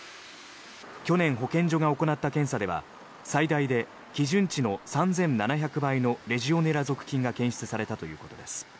去年、保健所が行った検査では最大で基準値の３７００倍のレジオネラ属菌が検出されたということです。